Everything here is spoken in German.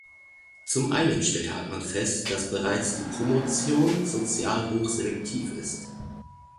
Zum einen stellt Hartmann fest, dass bereits die Promotion sozial hoch selektiv ist.